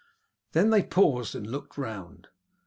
Then they paused and looked round.